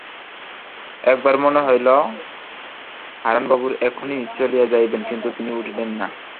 একবার মনে হইল হারানবাবু এখনই চলিয়া যাইবেন, কিন্তু তিনি উঠিলেন না।